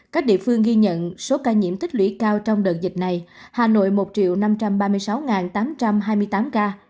các địa phương ghi nhận số ca nhiễm tích lũy cao trong đợt dịch này hà nội một năm trăm ba mươi sáu tám trăm hai mươi tám ca